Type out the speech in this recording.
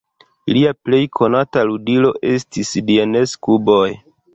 Lia plej konata ludilo estis "Dienes-kuboj".